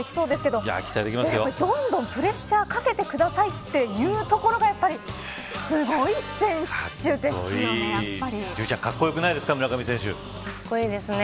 どんどんプレッシャーかけてくださいていうところがやっぱり、すごい選手ですよね。